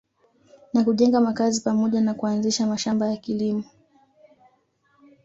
Na kujenga makazi pamoja na kuanzisha mashamba ya kilimo